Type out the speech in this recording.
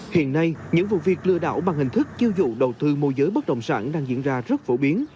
hiện nay những vụ việc lừa đảo bằng hình thức chiêu dụ đầu tư mô giới bất động sản đang diễn ra rất phổ biến